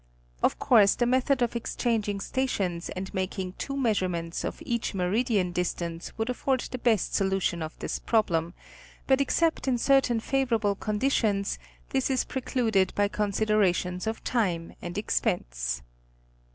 Of course the method of exchanging stations and making two measurements of each meridian distance would afford the best solution of this problem, but except in certain favorable conditions, this is precluded by considerations of time and expense.